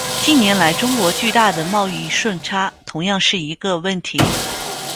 近年来中国巨大的贸易顺差同样是一个问题。